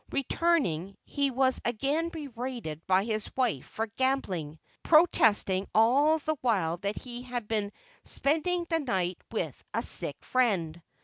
Returning, he was again berated by his wife for gambling, he protesting all the while that he had been "spending the night with a sick friend."